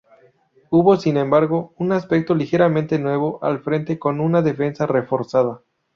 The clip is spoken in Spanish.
Hubo, sin embargo, un aspecto ligeramente nuevo al frente con una defensa reforzada.